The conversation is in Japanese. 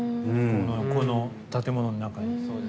この建物の中に。